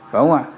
phải không ạ